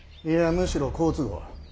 いやむしろ好都合。